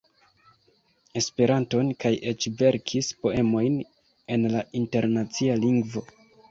Esperanton, kaj eĉ verkis poemojn en la Internacia Lingvo.